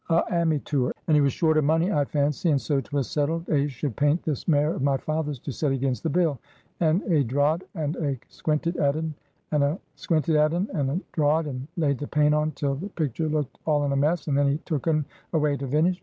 "A ammytoor. And he was short of money, I fancy, and so 'twas settled a should paint this mare of my father's to set against the bill. And a draad and a squinted at un, and a squinted at un and a draad, and laid the paint on till the pictur' looked all in a mess, and then he took un away to vinish.